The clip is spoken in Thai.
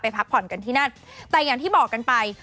พักผ่อนกันที่นั่นแต่อย่างที่บอกกันไป